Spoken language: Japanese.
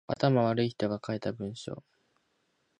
頭悪い人が書いた文章